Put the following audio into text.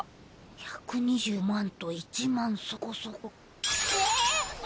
１２５万と１万そこそこ。